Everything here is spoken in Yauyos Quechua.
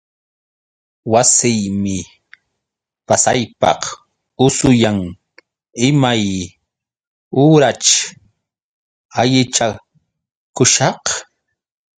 Wasiymi pasaypaq usuyan. Imay uraćh allichakushaq?